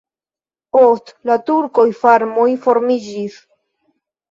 Post la turkoj farmoj formiĝis.